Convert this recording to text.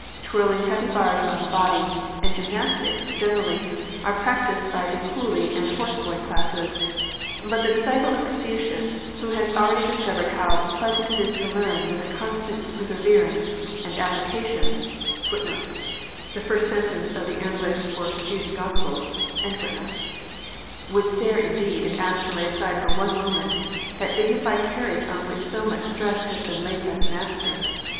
Twirling heavy bars round the body, and gymnastics generally, are practised by the coolie and horse boy classes ; but the disciple of Confucius, who has already discovered how *' pleasant it is to learn with a constant perseverance and application," * would stare indeed if asked to lay aside for one moment that dignified carriage on which so much stress has been laid by the Master.